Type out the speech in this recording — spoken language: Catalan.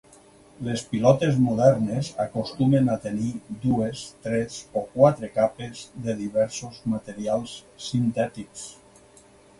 Les pilotes modernes acostumen a tenir, dues, tres o quatre capes de diversos materials sintètics.